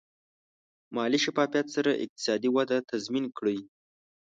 مالي شفافیت سره اقتصادي وده تضمین کړئ.